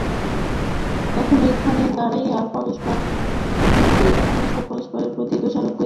তখন সেইখানে দাঁড়াইয়া পরস্পর পরস্পরের প্রতি দোষারোপ করিতে লাগিল।